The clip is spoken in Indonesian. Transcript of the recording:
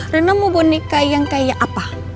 rena mau boneka yang kayak apa